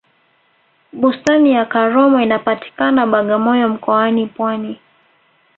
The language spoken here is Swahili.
bustani ya karomo inapatikana bagamoyo mkoani pwani